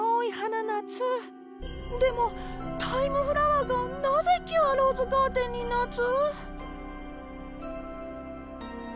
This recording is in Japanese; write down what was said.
でもタイムフラワーがなぜキュアローズガーデンにナツ？